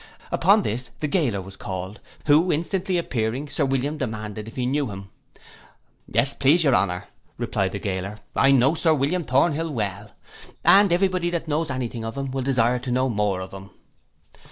Upon this the gaoler was called, who instantly appearing, Sir William demanded if he knew him. 'Yes, please your honour,' reply'd the gaoler, 'I know Sir William Thornhill well, and every body that knows any thing of him, will desire to know more of him.